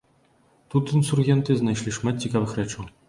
Тут інсургенты знайшлі шмат цікавых рэчаў.